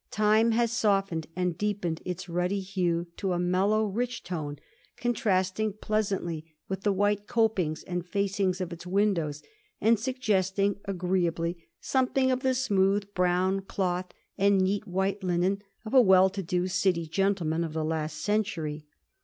Time has softened and deepened its ruddy hue to a mellow, rich tone, contrasting pleasantly with the white copings and facings of its windows, and sug gesting, agreeably, something of the smooth brown cloth and neat white linen of a well to do City gentle man of the last century.